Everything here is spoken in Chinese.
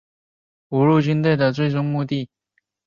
五路军队的最终目标皆为南越国的都城番禺。